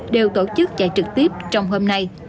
đều tổ chức chạy trực tiếp trong hôm nay